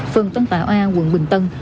phường tân tà oa quận bình tân